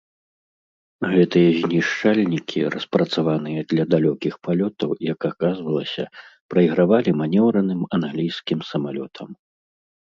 Гэтыя знішчальнікі, распрацаваныя для далёкіх палётаў, як аказвалася, прайгравалі манеўраным англійскім самалётам.